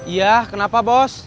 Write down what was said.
iya kenapa bos